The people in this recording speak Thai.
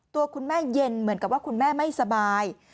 ตัวคุณแม่เย็นเหมือนกับว่าคุณแม่ไม่สบาย